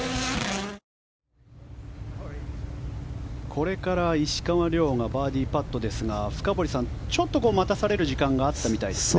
これから石川遼がバーディーパットですが深堀さん、待たされる時間があったみたいですね。